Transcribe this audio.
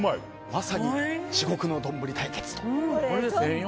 まさに、至極の丼対決と。